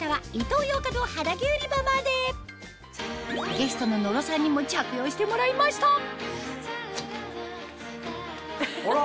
ゲストの野呂さんにも着用してもらいましたあら？